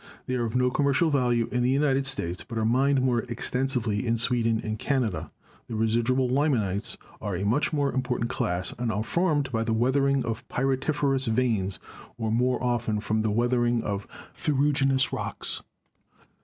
They are of no commercial value in the United States, but are mined more extensively in Sweden and Canada. The residual limonites are a much more important class, and are formed by the weathering of pyritiferous veins or more often from the weathering of ferruginous rocks.